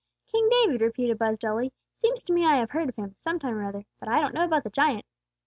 "King David!" repeated Buz, dully, "seems to me I have heard of him, sometime or other; but I don't know about the giant."